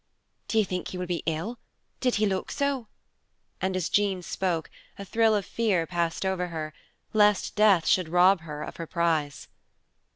"Do you think he will be ill? Did he look so?" And as Jean spoke, a thrill of fear passed over her, lest death should rob her of her prize.